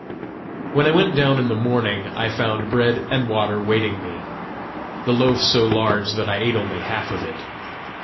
When I went down in the morning, I found bread and water waiting me, the loaf so large that I ate only half of it.